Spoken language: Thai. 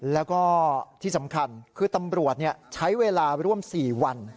แล้วก็ที่สำคัญคือตำรวจใช้เวลาร่วม๔วัน